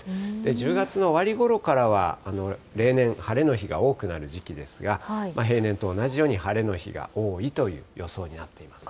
１０月の終わりごろからは、例年、晴れの日が多くなる時期ですが、平年と同じように、晴れの日が多いという予想になっていますね。